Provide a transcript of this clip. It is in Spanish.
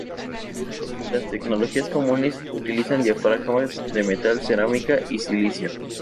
Las tecnologías comunes utilizan diafragmas de metal, cerámica y silicio.